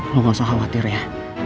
lo gak usah khawatir ya